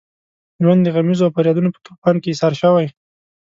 ژوند د غمیزو او فریادونو په طوفان کې ایسار شوی.